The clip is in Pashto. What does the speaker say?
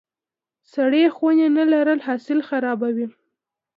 سړې خونې نه لرل حاصل خرابوي.